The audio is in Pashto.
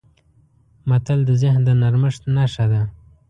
منل د ذهن د نرمښت نښه ده.